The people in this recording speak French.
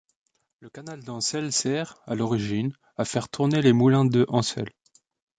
Le canal d’Ancelle sert, à l'origine, à faire tourner les moulins de Ancelle.